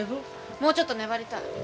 もうちょっと粘りたい。